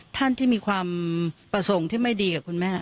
ท่านที่มีความประสงค์ที่ไม่ดีกับคุณแม่